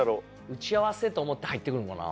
打ち合わせと思って入ってくるんかな？